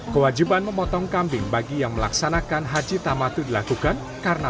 kewajiban memotong kambing bagi yang melaksanakan haji tamatu dilakukan karena